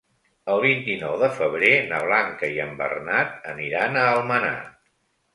El vint-i-nou de febrer na Blanca i en Bernat aniran a Almenar.